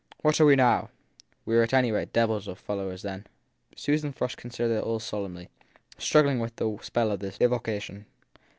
What are we now ? We were at any rate devils of fellows then ! Susan Frush considered it all solemnly, struggling with the spell of this evocation.